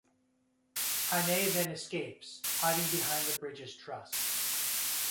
Hannay then escapes, hiding behind the bridge's truss.